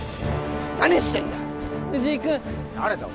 何してんだよ！